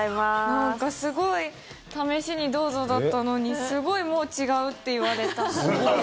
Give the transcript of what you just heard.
なんかすごい試しにどうぞだったのにすごいもう違うって言われた。